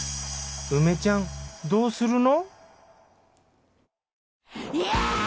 梅ちゃんどうするの？